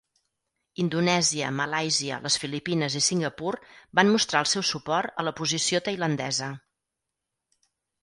Indonèsia, Malàisia, les Filipines i Singapur van mostrar el seu suport a la posició tailandesa.